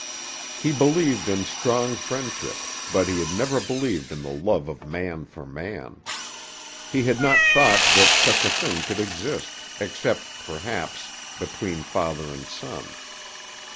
He believed in strong friendship, but he had never believed in the love of man for man. He had not thought that such a thing could exist, except, perhaps, between father and son.